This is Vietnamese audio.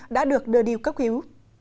đã được đưa đi cấp cứu